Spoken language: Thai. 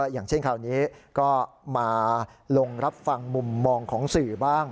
อย่างเช่นคราวนี้ก็มาลงรับฟังมุมมองของสื่อบ้าง